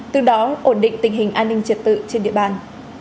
từ đó ổn định tình hình an ninh trật tự trên địa bàn